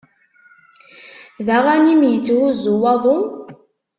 D aɣanim yetthuzzu waḍu?